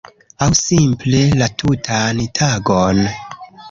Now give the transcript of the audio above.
Aŭ simple la tutan tagon?